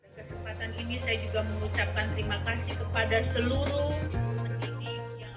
kesempatan ini saya juga mengucapkan terima kasih kepada seluruh pendidik yang